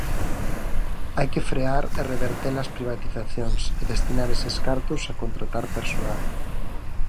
Hai que frear e reverter as privatizacións e destinar eses cartos a contratar persoal.